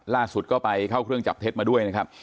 ล่าสุดก็ไปเข้าเครื่องจับเท็จมาด้วยนะครับ